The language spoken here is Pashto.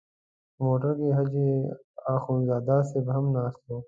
په موټر کې حاجي اخندزاده صاحب هم ناست و.